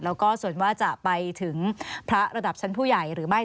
แล้วก็ส่วนว่าจะไปถึงพระระดับชั้นผู้ใหญ่หรือไม่